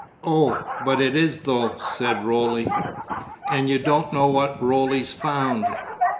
"Oh, but it is though," said Roly; "and you don't know what Roly's found."